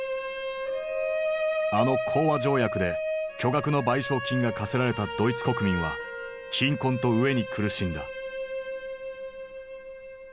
あの講和条約で巨額の賠償金が科せられたドイツ国民は貧困と飢えに苦しんだ。